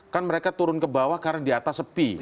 kan mereka turun ke bawah karena di atas sepi